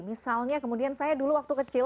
misalnya kemudian saya dulu waktu kecil